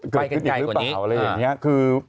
เกิดขึ้นอีกหรือเปล่าอะไรอย่างนี้